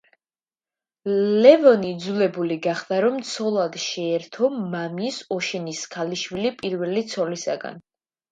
ლევონი იძულებული გახდა, რომ ცოლად შეერთო მამის, ოშინის ქალიშვილი პირველი ცოლისაგან.